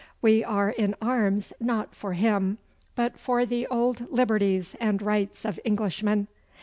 We are in arms not for him, but for the old liberties and rights of Englishmen.